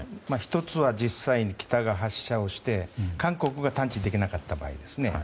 １つは実際に北が発射して韓国が探知できなかった場合ですね。